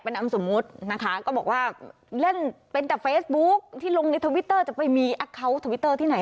เป็นจากเฟซบุ๊กที่ลงในทวิตเตอร์จะไปมีอัคเคาต์ทวิตเตอร์ที่ไหน